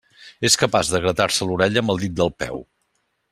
És capaç de gratar-se l'orella amb el dit del peu.